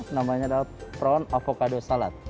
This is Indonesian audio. namanya adalah fron avocado salad